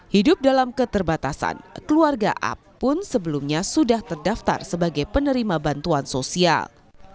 hidup dalam keterbatasan keluarga ap pun sebelumnya sudah terdaftar sebagai penerima bantuan sosial